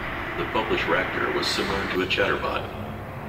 The published Racter was similar to a chatterbot.